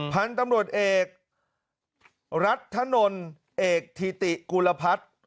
พันธุ์ตำรวจเอกรัฐนลเอกธิติกุลพัฒน์